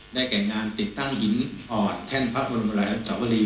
ได้แก่งานติดตั้งหินอ่อนแท่นพระบริมูลหลาชันศาวรี